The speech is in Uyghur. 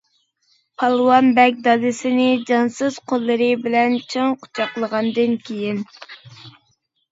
پالۋان بەگ دادىسىنى جانسىز قوللىرى بىلەن چىڭ قۇچاقلىغاندىن كېيىن.